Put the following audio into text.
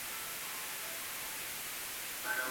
خاوند د ميرمني په مړينه کي زيات ميراث وړلای سي.